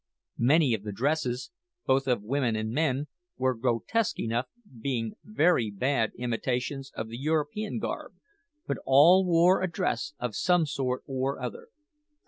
Many of the dresses, both of women and men, were grotesque enough, being very bad imitations of the European garb; but all wore a dress of some sort or other.